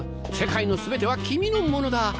世界の全ては君のものだ。